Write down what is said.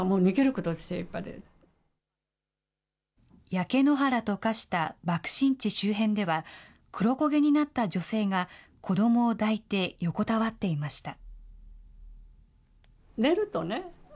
焼け野原と化した爆心地周辺では、黒焦げになった女性が子どもを抱いて横たわっていました。